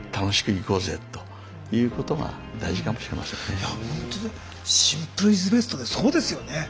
いやほんとにシンプルイズベストでそうですよね。